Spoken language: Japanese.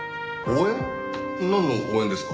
なんの応援ですか？